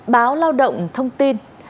báo lao động thông tin